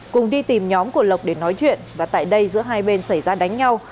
cùng đi tìm nhóm của lộc để nói chuyện và tại đây giữa hai bên xảy ra đánh nhau